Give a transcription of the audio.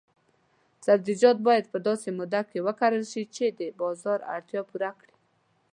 سبزیجات باید په داسې موده کې وکرل شي چې د بازار اړتیا پوره کړي.